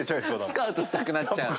スカウトしたくなっちゃう。